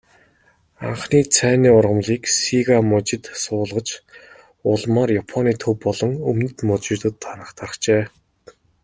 Анхны цайны ургамлыг Сига мужид суулгаж, улмаар Японы төв болон өмнөд мужуудад тархжээ.